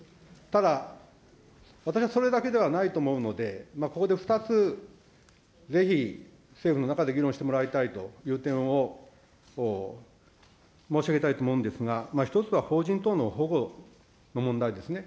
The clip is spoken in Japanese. ただ、私はそれだけではないと思うので、ここで２つ、ぜひ、政府の中で議論してもらいたいという点を申し上げたいと思うんですが、１つは邦人等の保護の問題ですね。